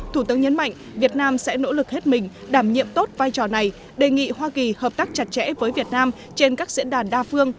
thủ tướng nhấn mạnh việt nam sẽ nỗ lực hết mình đảm nhiệm tốt vai trò này đề nghị hoa kỳ hợp tác chặt chẽ với việt nam trên các diễn đàn đa phương